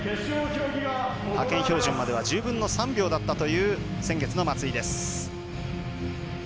派遣標準までは１０分の３秒だったという先月の松井です。